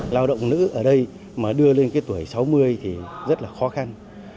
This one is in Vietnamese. lao động nữ ở đây mà đưa lên cái tuổi sáu mươi thì rất là khó khăn